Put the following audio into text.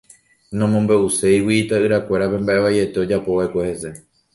nomombe'uségui ita'yrakuérape mba'e vaiete ojapova'ekue